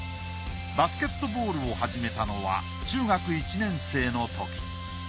バスケットボールを始めたのは中学１年生のとき。